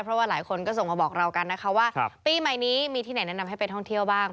เพราะว่าหลายคนก็ส่งมาบอกเรากันนะคะว่าปีใหม่นี้มีที่ไหนแนะนำให้ไปท่องเที่ยวบ้าง